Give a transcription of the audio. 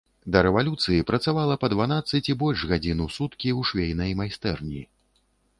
Да рэвалюцыі працавала па дванаццаць і больш гадзін у суткі ў швейнай майстэрні.